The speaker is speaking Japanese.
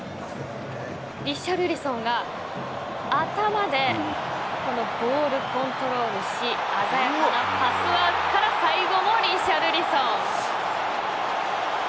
リシャルリソンが頭でこのボールコントロールをし鮮やかなパスワークから最後もリシャルリソン。